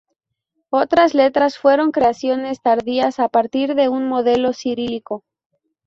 Otras letras fueron creaciones tardías a partir de un modelo cirílico.